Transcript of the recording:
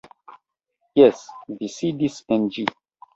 Jes; vi sidis en ĝi.